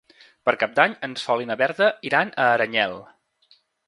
Per Cap d'Any en Sol i na Berta iran a Aranyel.